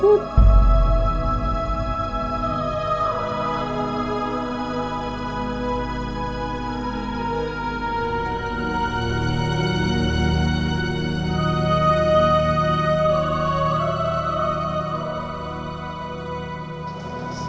dan allah sayang sama aku